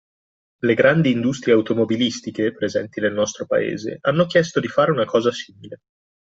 Le grandi industrie automobilistiche, presenti nel nostro paese, hanno chiesto di fare una cosa simile